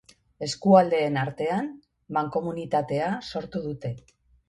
Eskualdeen artean, mankomunitatea sortu dute.